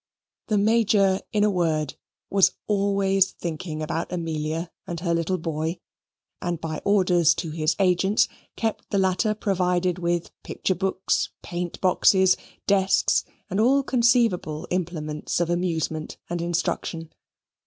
The Major, in a word, was always thinking about Amelia and her little boy, and by orders to his agents kept the latter provided with picture books, paint boxes, desks, and all conceivable implements of amusement and instruction.